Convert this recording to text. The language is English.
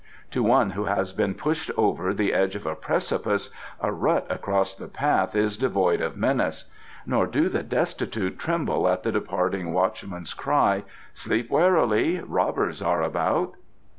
"To one who has been pushed over the edge of a precipice, a rut across the path is devoid of menace; nor do the destitute tremble at the departing watchman's cry: 'Sleep warily; robbers are about.